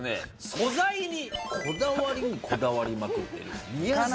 素材にこだわりにこだわりまくってる。